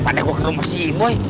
padahal gue ke rumah si boy